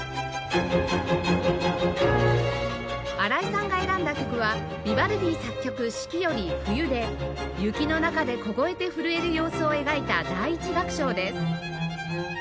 荒井さんが選んだ曲はヴィヴァルディ作曲『四季』より「冬」で雪の中で凍えて震える様子を描いた第１楽章です